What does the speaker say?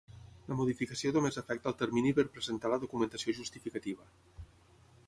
La modificació només afecta el termini per presentar la documentació justificativa.